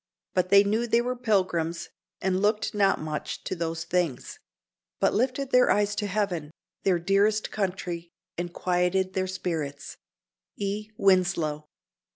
But they knew they were pilgrims, and looked not much to those things; but lifted their eyes to heaven, their dearest country, and quieted their spirits." _E. Winslow.